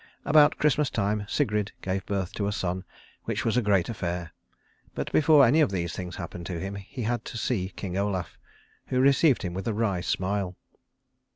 About Christmas time Sigrid gave birth to a son, which was a great affair. But before any of these things happened to him he had to see King Olaf, who received him with a wry smile.